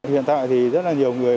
hiện tại thì rất là nhiều người